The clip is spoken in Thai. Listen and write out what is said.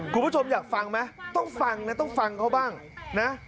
คุณผู้ชมอยากฟังไหมต้องฟังนะต้องฟังเขาบ้างนะ